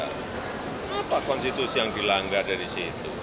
kenapa konstitusi yang dilanggar dari situ